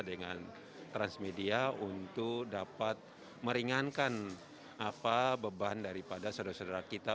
dengan transmedia untuk dapat meringankan beban daripada saudara saudara kita